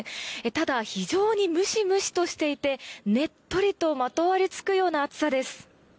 ただ、非常にムシムシとしていてねっとりとまとわりつくような暑さです。